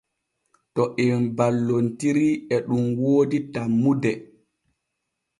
To em balloltiitri e ɗun woodi tanmude.